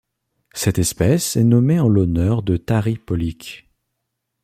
Cette espèce est nommée en l'honneur de Tari Pawlyk.